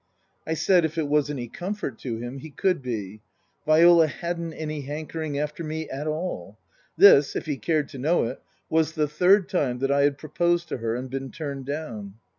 I said if it was any comfort to him he could be. Viola hadn't any hankering after me at all. This if he cared to know it was the third time that I had proposed to her and been turned down.